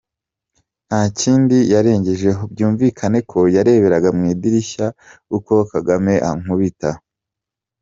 nta kindi yarengejeho byumvikane ko yareberaga mw’idirishya uko Kagame ankubita